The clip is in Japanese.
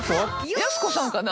やす子さんかな？